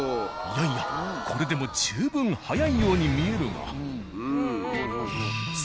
いやいやこれでも十分速いように見えるが。